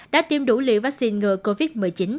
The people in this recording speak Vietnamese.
đã tiêm đủ liều vắc xin ngừa covid một mươi chín